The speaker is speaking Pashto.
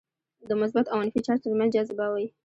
د مثبت او منفي چارج ترمنځ جذبه وي.